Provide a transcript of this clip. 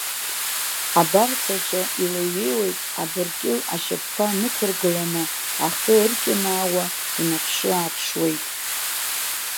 Абарҵаҿы илеиҩеиуеит, абыркьыл ашьапқәа нықәыргыланы, ахы ыркьынаауа инаԥшы-ааԥшуеит.